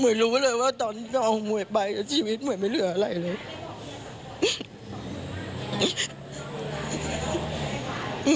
เมื่อเกี่ยวกับจริงฝันกลายเป็นเกิดขึ้น